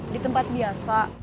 di tempat biasa